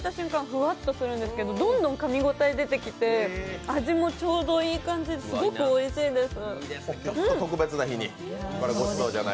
ふわっとするんですけど、どんどん噛みごたえ出てきて味もちょうどいい感じですごいおいしいです。